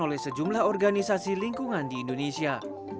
oleh sejumlah organisasi lingkungan di indonesia